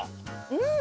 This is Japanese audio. うん！